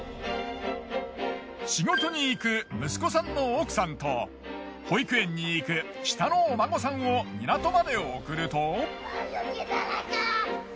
仕事に行く息子さんの奥さんと保育園に行く下のお孫さんを港まで送ると。